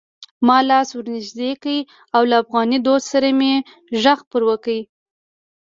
ما لاس ور نږدې کړ او له افغاني دود سره مې غږ پرې وکړ: